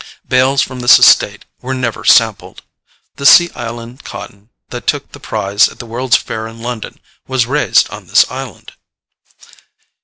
Bales from this estate were never "sampled." The Sea Island cotton that took the prize at the World's Fair in London was raised on this island.